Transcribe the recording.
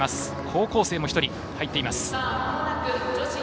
高校生も１人入っています。